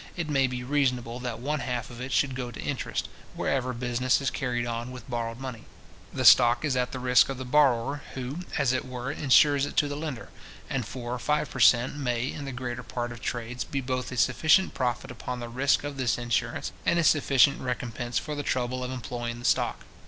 it may be reasonable that one half of it should go to interest, wherever business is carried on with borrowed money. The stock is at the risk of the borrower, who, as it were, insures it to the lender; and four or five per cent. may, in the greater part of trades, be both a sufficient profit upon the risk of this insurance, and a sufficient recompence for the trouble of employing the stock.